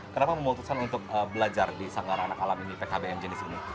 kenapa memutuskan untuk belajar di sanggar anak alam ini pkbm jenis ini